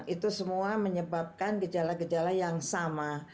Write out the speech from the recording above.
itu semua menyebabkan gejala gejala yang sama